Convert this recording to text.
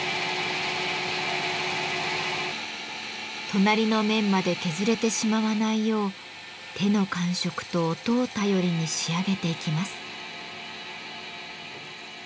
隣の面まで削れてしまわないよう手の感触と音を頼りに仕上げていきます。